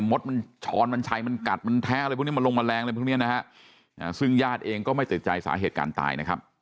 มดมันช้อนมันชัยมันกัดมันแท้มันลงแมลงซึ่งญาติเองก็ไม่ตื่นใจสาเหตุการณ์ตาย